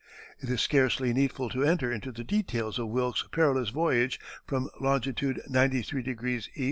It is scarcely needful to enter into the details of Wilkes's perilous voyage from longitude 95° E.